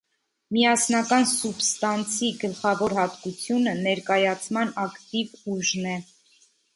Միասնական սուբստանցի գլխավոր հատկությունը ներկայացման ակտիվ ուժն է։